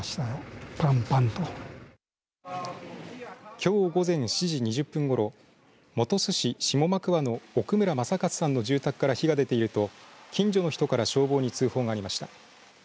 きょう午前７時２０分ごろ本巣市下真桑の奥村正一さんの住宅から火が出ていると近所の人から消防に通報がありました。